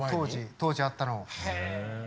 当時あったの。